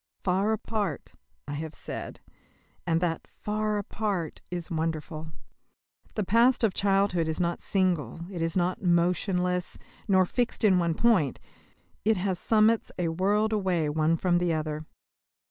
"Far apart," I have said, and that "far apart" is wonderful. The past of childhood is not single, is not motionless, nor fixed in one point; it has summits a world away one from the other.